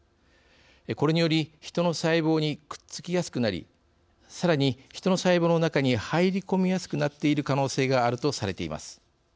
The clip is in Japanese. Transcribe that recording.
これによりヒトの細胞にくっつきやすくなりさらにヒトの細胞の中に入り込みやすくなっている可能性があるとされています。